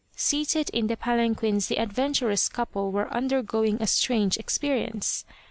Seated in the palanquins the adventurous couple were undergoing a strange experience.